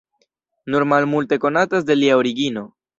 Nur malmulte konatas de lia origino.